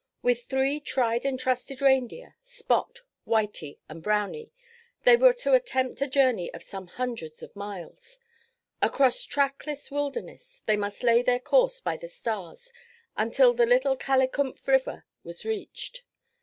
With three tried and trusted reindeer—Spot, Whitie, and Brownie—they were to attempt a journey of some hundreds of miles. Across trackless wilderness they must lay their course by the stars until the Little Kalikumf River was reached.